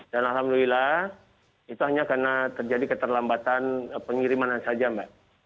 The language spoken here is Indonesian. dan alhamdulillah itu hanya karena terjadi keterlambatan pengirimanan saja mbak